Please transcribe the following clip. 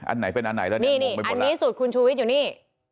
อันไหนเป็นอันไหนแล้วนี่นี่อันนี้สูตรคุณชูวิทย์อยู่นี่